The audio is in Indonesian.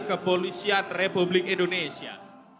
kepolisian republik indonesia